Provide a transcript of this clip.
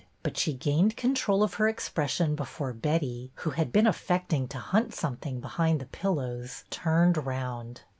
But she gained control of her expression before Betty, who had been af fecting to hunt something behind the pillows, turned round.